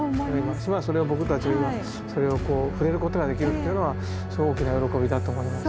それを僕たちは今それをこう触れることができるっていうのはすごく大きな喜びだと思います。